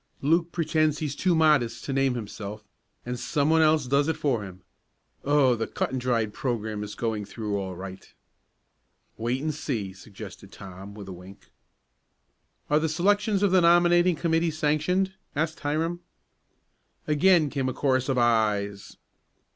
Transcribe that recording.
"Luke pretends he's too modest to name himself, and some one else does it for him. Oh, the cut and dried program is going through all right!" "Wait and see," suggested Tom with a wink. "Are the selections of the nominating committee sanctioned?" asked Hiram. Again came a chorus of "ayes."